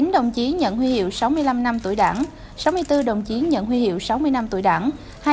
một mươi đồng chí nhận huy hiệu sáu mươi năm năm tuổi đảng sáu mươi bốn đồng chí nhận huy hiệu sáu mươi năm tuổi đảng